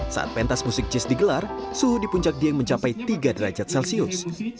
saat pentas musik jis digelar suhu di puncak dieng mencapai tiga derajat celcius